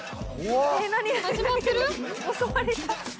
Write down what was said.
始まってる？